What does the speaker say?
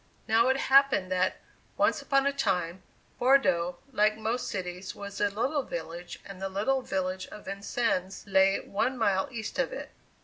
Now it happened that, once upon a time, Bordeaux, like most cities, was a little village, and the little village of Vincennes lay one mile east of it.